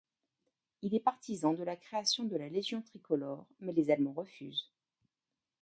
Il est partisan de la création de la Légion tricolore, mais les Allemands refusent.